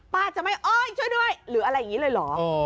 จะไม่อ้อยช่วยด้วยหรืออะไรอย่างนี้เลยเหรอ